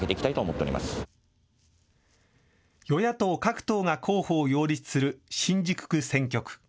与野党各党が候補を擁立する新宿区選挙区。